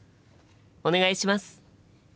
お願いします！